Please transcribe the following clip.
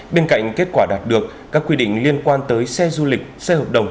bên cạnh kết quả đạt được các quy định liên quan tới xe du lịch xe hợp đồng